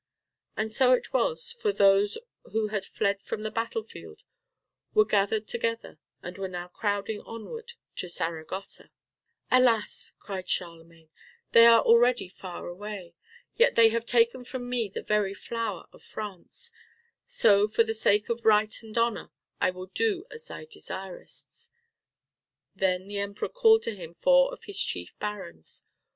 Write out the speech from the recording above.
And so it was, for those who had fled from the battle field were gathered together and were now crowding onward to Saragossa. "Alas!" said Charlemagne, "they are already far away. Yet they have taken from me the very flower of France, so for the sake of right and honor I will do as thou desirest." Then the Emperor called to him four of his chief barons.